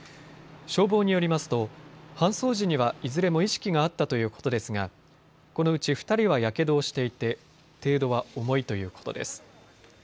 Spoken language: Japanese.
消防によりますと搬送時にはいずれも意識があったということですがこのうち２人はやけどをしていて程度は重いということです。